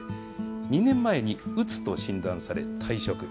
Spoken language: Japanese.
２年前にうつと診断され、退職。